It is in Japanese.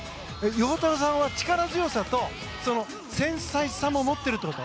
陽太郎さんは力強さと繊細さも持ってるということ？